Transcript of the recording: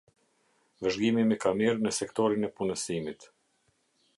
Vëzhgimi me kamerë në sektorin e punësimit.